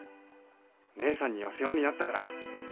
ねえさんには世話になったから。